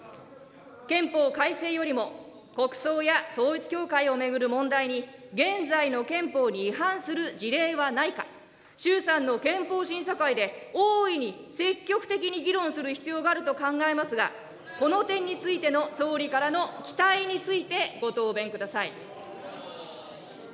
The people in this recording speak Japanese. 憲法改正よりも国葬や統一教会を巡る問題に現在の憲法に違反する事例はないか、衆参の憲法審査会で、大いに積極的に議論する必要があると考えますが、この点についての総理からの期待についてご答弁ください。